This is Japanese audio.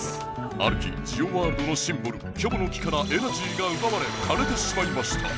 ある日ジオワールドのシンボルキョボの木からエナジーがうばわれかれてしまいました。